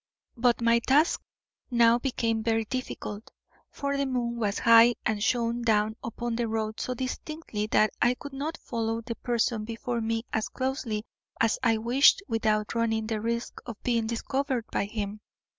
But my task now became very difficult, for the moon was high and shone down upon the road so distinctly that I could not follow the person before me as closely as I wished without running the risk of being discovered by him.